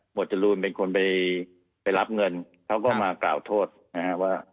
จรูนเป็นคนไปรับเงินเขาก็มากล่าวโทษนะฮะว่า